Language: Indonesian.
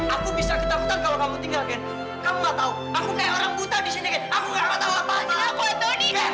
aku gak mau tau apa apa